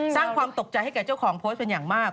สร้างความตกใจให้กับเจ้าของโพสต์เป็นอย่างมาก